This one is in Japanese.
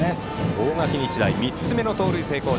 大垣日大３つ目の盗塁に成功。